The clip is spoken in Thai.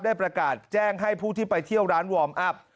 ได้ประกาศแจ้งให้ผู้ที่ไปเที่ยวร้านวอร์มอัพ